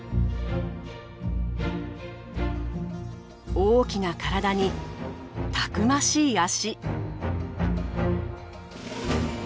大きな体にたくましい足。